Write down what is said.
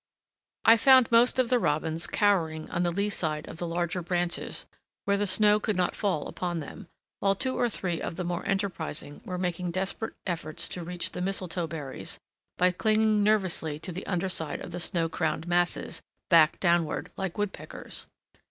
I found most of the robins cowering on the lee side of the larger branches where the snow could not fall upon them, while two or three of the more enterprising were making desperate efforts to reach the mistletoe berries by clinging nervously to the under side of the snow crowned masses, back downward, like woodpeckers.